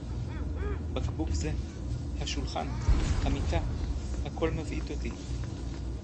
בקבוק זה, השולחן, המיטה — הכול מבעית אותי.